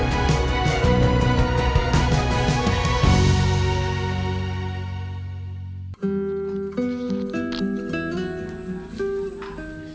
makanya enak banget